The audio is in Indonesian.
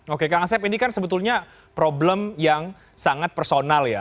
oke kang asep ini kan sebetulnya problem yang sangat personal ya